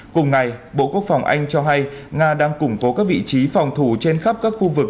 cùng ngày bộ quốc phòng anh cho hay nga đang củng cố các vị trí phòng thủ trên khắp các khu vực